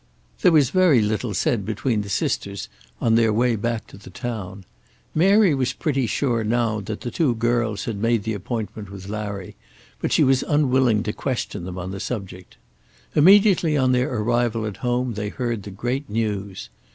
There was very little said between the sisters on their way back to the town. Mary was pretty sure now that the two girls had made the appointment with Larry, but she was unwilling to question them on the subject. Immediately on their arrival at home they heard the great news.